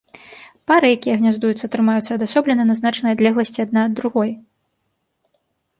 Пары, якія гняздуюцца, трымаюцца адасоблена на значнай адлегласці адна ад другой.